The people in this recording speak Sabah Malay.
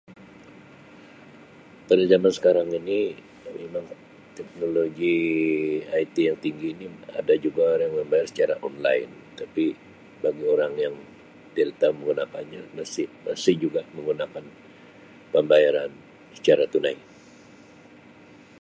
"Pada zaman sekarang ini, memang teknologi ""IT"" yang tinggi ini ada juga orang membayar secara ""online"" tapi bagi orang yang tidak tahu menggunakannya nasi-masih juga menggunakan pembayaran secara tunai."